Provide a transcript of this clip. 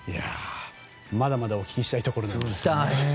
まだまだお聞きしたいところなんですが。